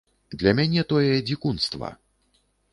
Для мяне тое дзікунства.